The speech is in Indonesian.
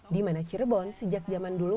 dimana cirebon sejak zaman dulu